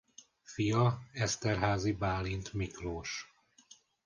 Fia Esterházy Bálint Miklós.